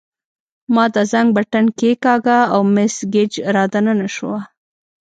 ما د زنګ بټن کښېکاږه او مس ګېج را دننه شوه.